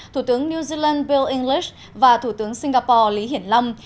thủ tướng new zealand bill english và thủ tướng singapore lý hiển lâm